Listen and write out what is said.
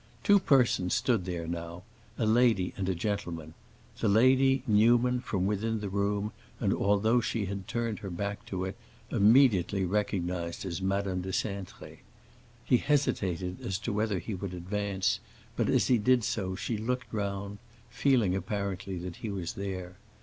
Two persons stood there now, a lady and a gentleman; the lady Newman, from within the room and although she had turned her back to it, immediately recognized as Madame de Cintré. He hesitated as to whether he would advance, but as he did so she looked round, feeling apparently that he was there.